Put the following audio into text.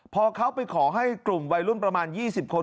พอเขาไปขอให้กลุ่มวัยรุ่นประมาณ๒๐คน